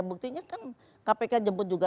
buktinya kan kpk jemput juga